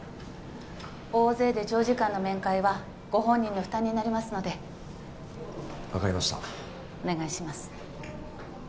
大勢で長時間の面会はご本人の負担になりますので分かりましたお願いします